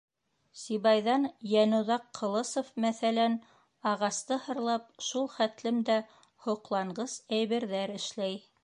Сибайҙан Йәноҙаҡ Ҡылысов, мәҫәлән, ағасты һырлап шул хәтлем дә һоҡланғыс әйберҙәр эшләй.